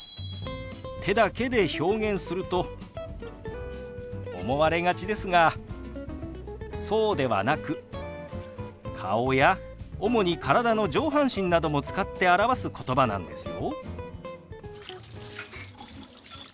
手だけで表現すると思われがちですがそうではなく顔や主に体の上半身なども使って表すことばなんですよ。